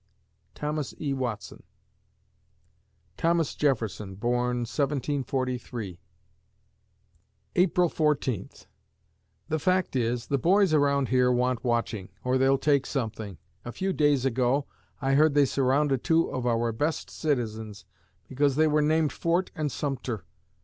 THOMAS E. WATSON Thomas Jefferson born, 1743 April Fourteenth The fact is, the boys around here want watching, or they'll take something. A few days ago I heard they surrounded two of our best citizens because they were named Fort and Sumter.